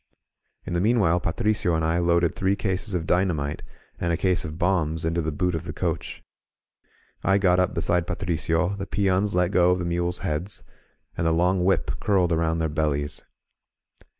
In the meanwhile Patricio and I loaded three cases of dynamite and a case of bombs into the boot of the coach. I got up beside Patricio, the peons let go of the mules' heads, and the long whip curled around their bellies.